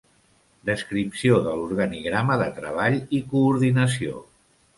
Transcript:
Descripció de l'organigrama de treball i coordinació.